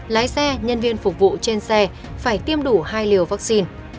lái xe nhân viên phục vụ trên xe phải tiêm đủ hai liều vaccine